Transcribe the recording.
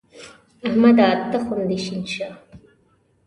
احمده! تخم دې شين شه.